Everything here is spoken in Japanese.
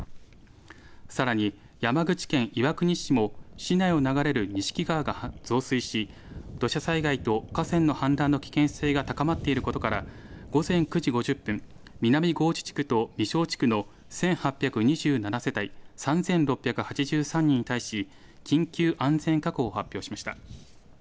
さらに山口県岩国市も市内を流れる錦川が増水し、土砂災害と河川の氾濫の危険性が高まっていることから、午前９時５０分、南河内地区と御庄地区の１８２７世帯３６８３人に対し、緊急安全確保を発表しました。